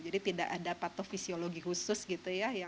jadi tidak ada patofisiologi khusus gitu ya